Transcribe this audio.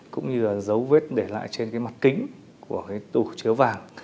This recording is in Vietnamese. cũng như dấu vết để lại trên mặt kính của tù chứa vàng